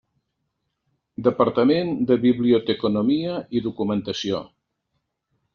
Departament de Biblioteconomia i Documentació.